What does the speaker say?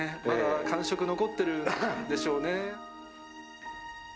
まだ感触、残ってるんでしょうね。